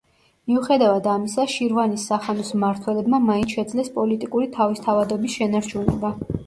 მიუხედავად ამისა, შირვანის სახანოს მმართველებმა მაინც შეძლეს პოლიტიკური თავისთავადობის შენარჩუნება.